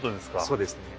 そうですね。